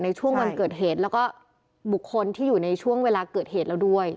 ในช่วงวันเกิดเหตุแล้วก็บุคคลที่อยู่ในช่วงเวลาเกิดเหตุแล้วด้วย